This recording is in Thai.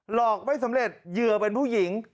หลอกไม่สำเร็จเหยื่อเป็นผู้หญิง